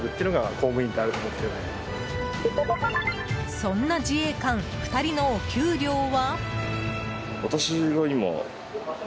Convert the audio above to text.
そんな自衛官２人のお給料は？